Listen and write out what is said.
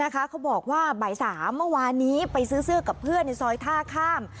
เขาบอกว่าบ่าย๓เมื่อวานนี้ไปซื้อเสื้อกับเพื่อนในซอยท่าข้าม